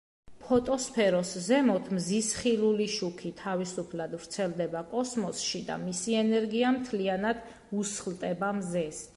ფოტოსფეროს ზემოთ მზის ხილული შუქი თავისუფლად ვრცელდება კოსმოსში და მისი ენერგია მთლიანად უსხლტება მზეს.